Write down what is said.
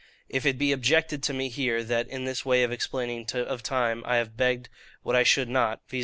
If it be objected to me here, that, in this way of explaining of time, I have begged what I should not, viz.